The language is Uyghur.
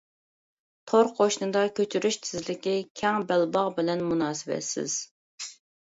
تور قوشنىدا كۆچۈرۈش تېزلىكى كەڭ بەلباغ بىلەن مۇناسىۋەتسىز.